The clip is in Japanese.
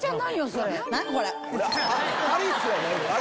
それ。